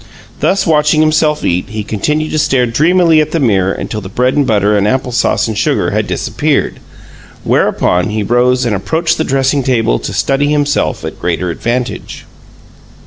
Thus, watching himself eat, he continued to stare dreamily at the mirror until the bread and butter and apple sauce and sugar had disappeared, whereupon he rose and approached the dressing table to study himself at greater advantage.